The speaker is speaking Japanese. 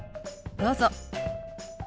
どうぞ。